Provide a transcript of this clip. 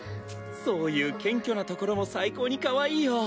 そういう謙虚なところも最高にかわいいよ。